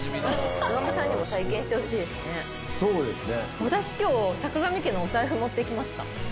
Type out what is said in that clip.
そうですね。